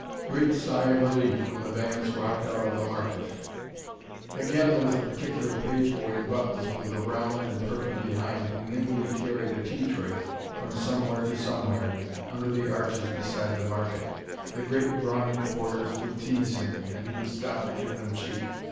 Great sigh of relief when the vans rocked out of the market. Again there was a particular page boy in buttons, with a round and perky behind, who nimbly carried a tea tray from somewhere to somewhere, under the arches beside the market. The great brawny porters would tease him, and he would stop to give them cheek.